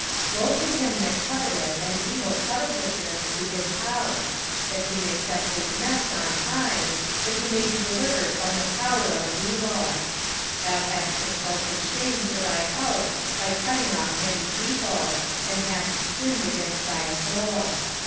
2:9 Woe to him that coveteth an evil covetousness to his house, that he may set his nest on high, that he may be delivered from the power of evil! 2:10 Thou hast consulted shame to thy house by cutting off many people, and hast sinned against thy soul.